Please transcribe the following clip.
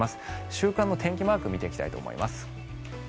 週間の天気マーク見ていきたいと思います。